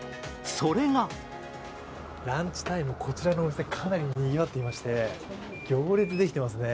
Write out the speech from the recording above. それがランチタイム、こちらのお店、かなりにぎわっていまして行列できてますね。